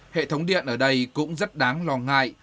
hệ thống điện ở đây cũng rất đáng lo ngại